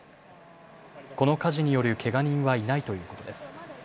この火事によるけが人はいないということです。